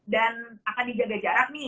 dan akan dijaga jarak nih